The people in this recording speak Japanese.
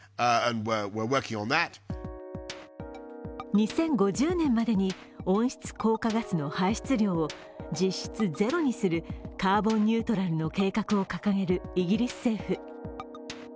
２０５０年までに温室効果ガスの排出量を実質ゼロにするカーボンニュートラルの計画を掲げるイギリス政府。